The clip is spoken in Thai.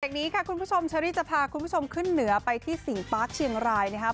นี้ค่ะคุณผู้ชมเชอรี่จะพาคุณผู้ชมขึ้นเหนือไปที่สิงปาร์คเชียงรายนะครับ